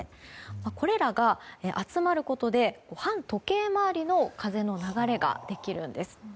これらが集まることで反時計回りの風の流れができるんです。